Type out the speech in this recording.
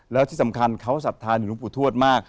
แล้วที่สำคัญเขาสัดทานอยู่ลุงปุทธวดมาก